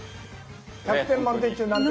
１００点満点中何点ですか？